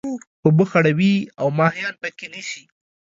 اوبه خړوي او ماهيان پکښي نيسي.